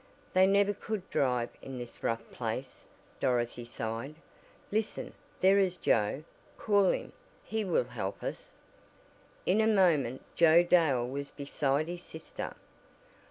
"They never could drive in this rough place," Dorothy sighed. "Listen! There is Joe. Call him. He will help us." In a moment Joe Dale was beside his sister.